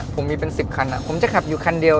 ผมมีเป็น๑๐คันผมจะขับอยู่คันเดียว